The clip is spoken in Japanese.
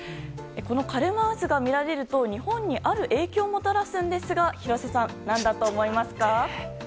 このカルマン渦が見られると日本にある影響をもたらすのですが廣瀬さん、何だと思いますか？